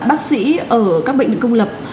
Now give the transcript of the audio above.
bác sĩ ở các bệnh viện công lập